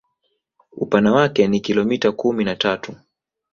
Upana wake ni kilomita kumi na tatu